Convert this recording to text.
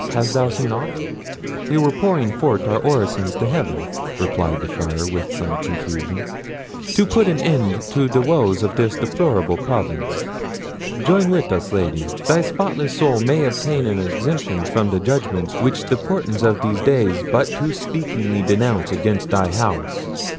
hast thou seen aught?" "We were pouring forth our orisons to heaven," replied the Friar, with some confusion, "to put an end to the woes of this deplorable province. Join with us, Lady! thy spotless soul may obtain an exemption from the judgments which the portents of these days but too speakingly denounce against thy house."